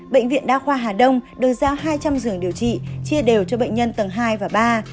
bệnh viện đa khoa hà đông được giao hai trăm linh giường điều trị chia đều cho bệnh nhân tầng hai và ba